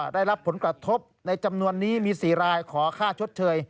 ได้รับผลกระทบในจำนวนนี้มี๔รายขอค่าชดเชย